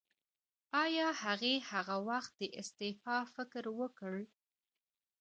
ایا هغې هغه وخت د استعفا فکر وکړ؟